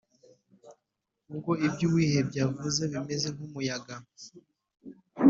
ubwo ibyo uwihebye avuze bimeze nk’umuyaga’